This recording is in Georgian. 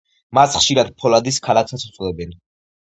მას ხშირად ფოლადის ქალაქსაც უწოდებენ.